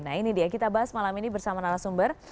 nah ini dia kita bahas malam ini bersama narasumber